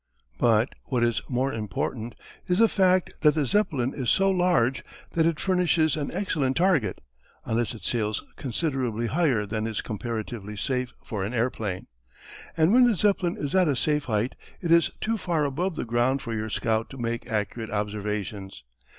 But what is more important is the fact that the Zeppelin is so large that it furnishes an excellent target, unless it sails considerably higher than is comparatively safe for an airplane. And when the Zeppelin is at a safe height it is too far above the ground for your scout to make accurate observations.